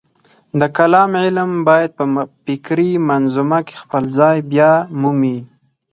د کلام علم باید په فکري منظومه کې خپل ځای بیامومي.